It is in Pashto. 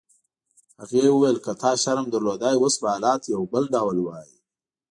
هغې وویل: که تا شرم درلودای اوس به حالات بل ډول وای.